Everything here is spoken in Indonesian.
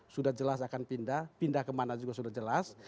sudah jelas akan pindah pindah kemana juga sudah jelas